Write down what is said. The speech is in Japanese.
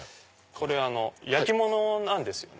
これ焼き物なんですよね。